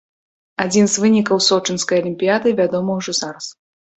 Адзін з вынікаў сочынскай алімпіяды вядомы ўжо зараз.